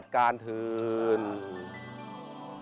การเป็นภางเดียวที่อุ้มบาท